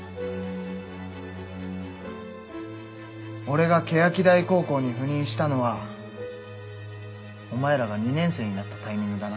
俺が欅台高校に赴任したのはお前らが２年生になったタイミングだな。